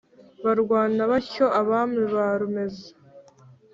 barwana batyo abami ba rumeza